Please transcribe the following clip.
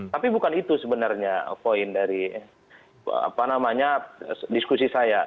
tapi bukan itu sebenarnya poin dari diskusi saya